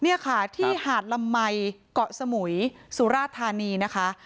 เนี่ยค่ะที่หาดลำไหมเกาะสมุยสุราธานีนะคะ